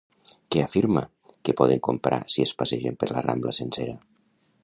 Què afirma que poden comprar si es passegen per la Rambla sencera?